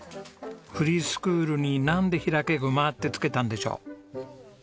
フリースクールになんで「ひらけごま！」って付けたんでしょう？